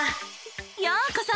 ようこそ！